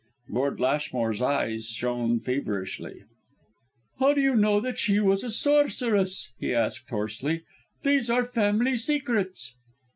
Lord Lashmore's eyes shone feverishly. "How do you know that she was a sorceress?" he asked, hoarsely. "These are family secrets."